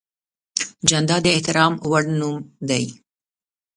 جانداد د احترام وړ نوم دی.